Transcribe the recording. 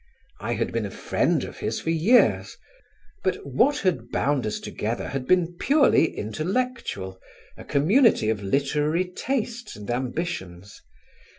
I had been a friend of his for years; but what had bound us together had been purely intellectual, a community of literary tastes and ambitions.